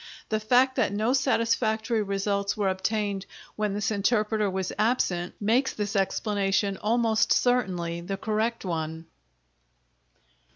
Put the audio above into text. The fact that no satisfactory results were obtained when this interpreter was absent, makes this explanation almost certainly the correct one.